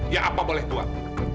ya apa boleh buat